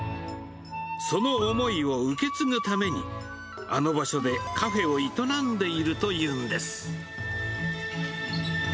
その思いを受け継ぐために、あの場所でカフェを営んでいるというんです。